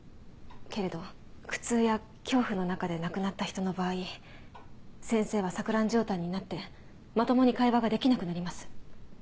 けれど苦痛や恐怖の中で亡くなった人の場合先生は錯乱状態になってまともに会話ができなくなります。